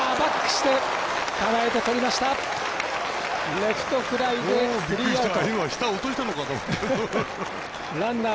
レフトフライでスリーアウト。